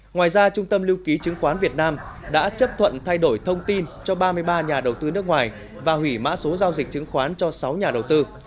ngoài ra trung tâm lưu ký chứng khoán việt nam đã chấp thuận thay đổi thông tin cho ba mươi ba nhà đầu tư nước ngoài và hủy mã số giao dịch chứng khoán cho sáu nhà đầu tư